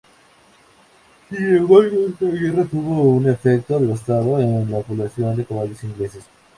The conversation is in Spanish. Sin embargo, esta guerra tuvo un efecto devastados en la población de caballos ingleses.